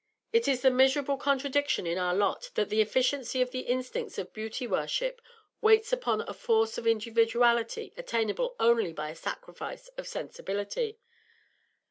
It is the miserable contradiction in our lot that the efficiency of the instincts of beauty worship waits upon a force of individuality attainable only by a sacrifice of sensibility.